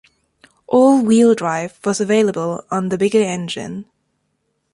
All wheel drive was available on the bigger engine.